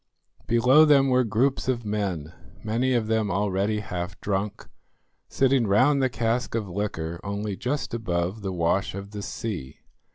Below them were groups of men, many of them already half drunk, sitting round the cask of liquor only just above the wash of the sea.